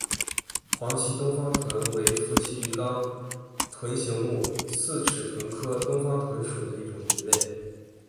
黄鳍东方鲀为辐鳍鱼纲豚形目四齿鲀科东方鲀属的一种鱼类。